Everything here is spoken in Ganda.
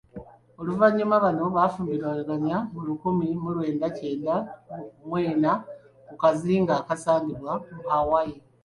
Oluvannyuma bano bafumbirigana mu lukumi mu lwenda kyenda mu ena ku kazinga akasangibwa mu Hawai.